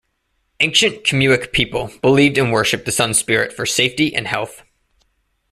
Ancient Khmuic people believed and worshiped the sun spirit for safety and health.